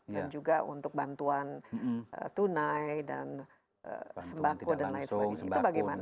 dan juga untuk bantuan tunai dan sembako dan lain sebagainya